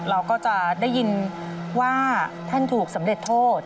เราก็จะได้ยินว่าท่านถูกสำเร็จโทษ